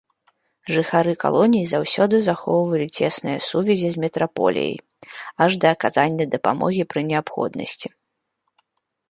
Жыхары калоній заўсёды захоўвалі цесныя сувязі з метраполіяй, аж да аказання дапамогі пры неабходнасці.